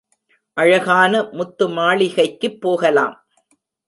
அழகான முத்து மாளிகைக்குப் போகலாம்.